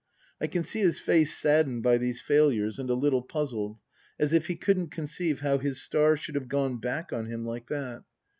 I can see his face saddened by these failures and a little puzzled, as if he couldn't con ceive how his star should have gone back on him like that.